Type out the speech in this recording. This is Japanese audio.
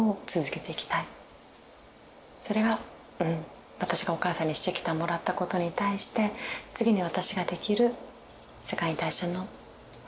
それがうん私がお母さんにしてきてもらったことに対して次に私ができる世界に対しての恩返し。